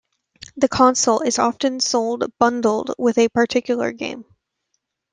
The console is often sold bundled with a particular game.